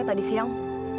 iya kecil banget